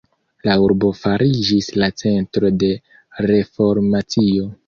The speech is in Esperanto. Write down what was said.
La urbo fariĝis la centro de Reformacio.